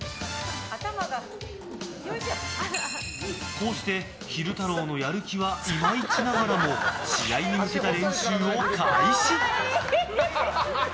こうして、昼太郎のやる気はいまいちながらも試合に向けた練習を開始。